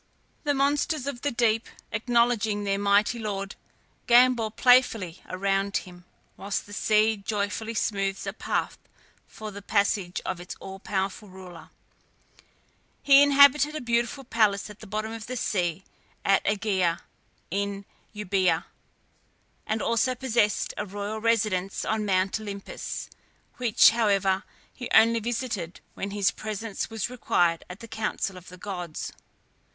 The monsters of the deep, acknowledging their mighty lord, gambol playfully around him, whilst the sea joyfully smooths a path for the passage of its all powerful ruler. He inhabited a beautiful palace at the bottom of the sea at Ægea in Euboea, and also possessed a royal residence on Mount Olympus, which, however, he only visited when his presence was required at the council of the gods.